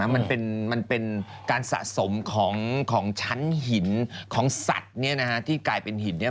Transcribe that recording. มันเป็นการสะสมของชั้นหินของสัตว์ที่กลายเป็นหิน